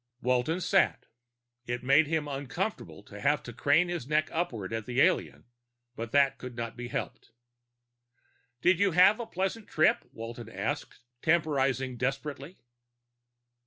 Walton sat. It made him feel uncomfortable to have to crane his neck upward at the alien, but that could not be helped. "Did you have a pleasant trip?" Walton asked, temporizing desperately.